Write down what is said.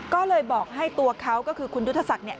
ก็เลยบอกให้ตัวเขาก็คือคุณยุทธศักดิ์เนี่ย